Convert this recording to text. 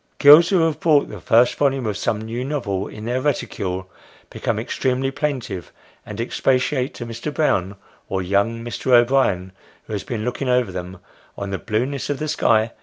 Girls who have brought the first volume of some new novel in their reticule, become extremely plaintive, and expatiate to Mr. Brown, or young Mr. O'Brien, who has been looking over them, on the blueness of the sky.